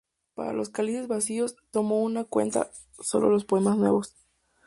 Para "Los cálices vacíos" tomó en cuenta sólo los poemas nuevos.